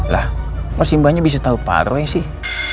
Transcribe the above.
lah kok si mbaknya bisa tahu pak roy sih